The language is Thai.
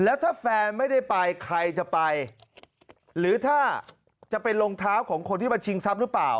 แล้วถ้าแฟนไม่ได้ไปใครจะไปหรือถ้าจะเป็นรองเท้าของคนที่มาชิงทรัพย์หรือเปล่า